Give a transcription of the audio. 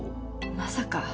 まさか。